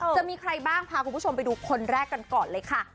จะมีใครบ้างพาคุณผู้ชมไปดูคนแรกกันก่อนเลยค่ะ